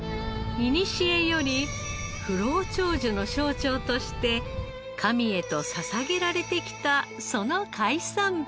いにしえより不老長寿の象徴として神へと捧げられてきたその海産物。